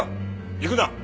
行くな！